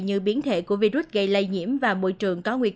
như biến thể của virus gây lây nhiễm và môi trường có nguy cơ